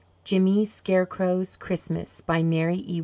JIMMY SCARECROW'S CHRISTMAS MARY E.